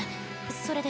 それで。